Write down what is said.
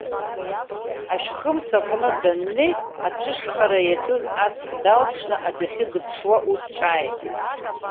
Ашәхымс аҟны даннеи, ацәышхара иаҿыз аҵх далԥшны, адәахьы дыԥшуа, ус ҿааиҭит.